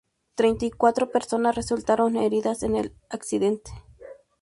Treinta y cuatro personas resultaron heridas en el accidente